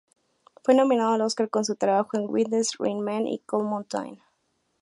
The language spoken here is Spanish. Fue nominado al Óscar con su trabajo en "Witness", "Rain Man" y "Cold Mountain".